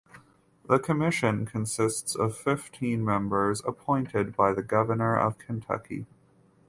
The commission consists of fifteen members appointed by the Governor of Kentucky.